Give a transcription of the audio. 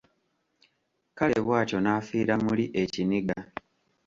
Kale bwatyo n’afiira muli ekiniga.